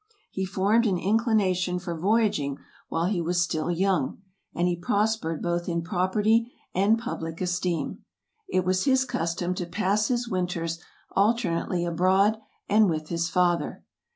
He formed an inclination for voyaging while he was still young, and he prospered both in property and public esteem. It was his custom to pass his winters alternately abroad and with his father.